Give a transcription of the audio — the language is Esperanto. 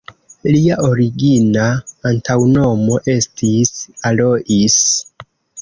Lia origina antaŭnomo estis Alois.